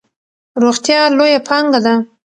روغتیا لویه پانګه ده.